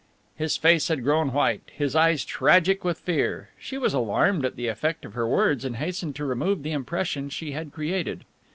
His face had grown white, his eyes tragic with fear. She was alarmed at the effect of her words and hastened to remove the impression she had created.